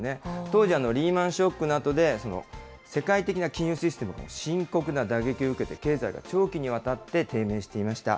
当時、リーマンショックなどで、世界的な金融システムが深刻な打撃を受けて、経済が長期にわたって低迷していました。